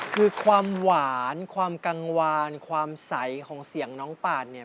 คือความหวานความกังวานความใสของเสียงน้องปานเนี่ย